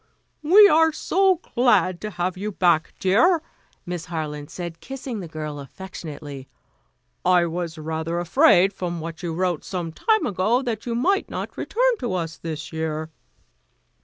"We are so glad to have you back, dear," Miss Harland said, kissing the girl affectionately. "I was rather afraid from what you wrote some time ago, that you might not return to us this year."